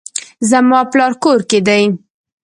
زما پلار کور کې دی